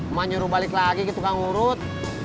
mau nyuruh balik lagi ke tukang urut